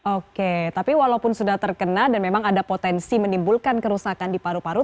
oke tapi walaupun sudah terkena dan memang ada potensi menimbulkan kerusakan di paru paru